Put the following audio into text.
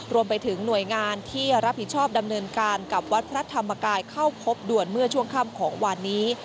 รวมไปถึงหน่วยงานที่รับผิดชอบดำเนินการกับวัดพระธรรมกายเข้าพบด่วนเมื่อช่วงค่ำของวันนี้